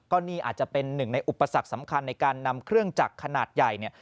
ก็นี่อาจจะเป็นหนึ่งในอุปสรรคสำคัญในการนำเครื่องจักรขนาดใหญ่เนี่ย